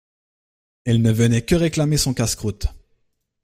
Elle ne venait que réclamer son casse-croûte.